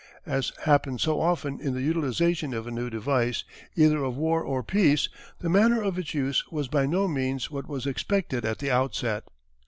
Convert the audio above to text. As happens so often in the utilization of a new device, either of war or peace, the manner of its use was by no means what was expected at the outset.